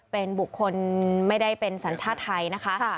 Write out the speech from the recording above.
เป็นบุคคลไม่ได้เป็นสัญชาติไทยนะคะ